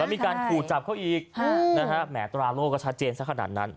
มีการขู่จับเขาอีกนะฮะแหมอตราโลกก็ชัดเจนสักขนาดนั้น